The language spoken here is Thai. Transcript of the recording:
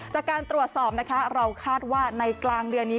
จากการตรวจสอบนะคะเราคาดว่าในกลางเดือนนี้